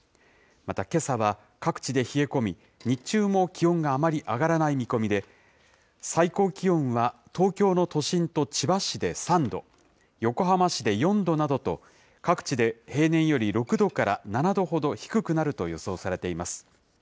またけさは各地で冷え込み、日中も気温があまり上がらない見込みで、最高気温は東京の都心と千葉市で３度、横浜市で４度などと、各地で平年より６度から７度ほど低くなると予想されています。